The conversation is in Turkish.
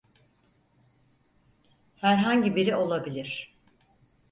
Herhangi biri olabilir.